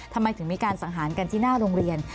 ทำไมถึงมีการสังหารกันที่หน้าโรงเรียน